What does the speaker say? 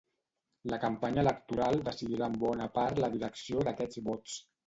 La campanya electoral decidirà en bona part la direcció d'aquests vots.